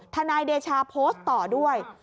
นายเดชาโพสต์ต่อด้วย